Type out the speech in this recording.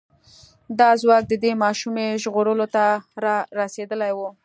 دا ځواک د دې ماشومې ژغورلو ته را رسېدلی و.